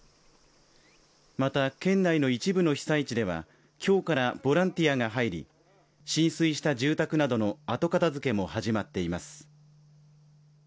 また県内の一部の被災地ではきょうからボランティアが入り浸水した住宅などの後片付けも始まっています